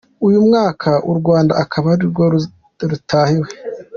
Uyu mwaka u Rwanda akaba arirwo rutahiwe.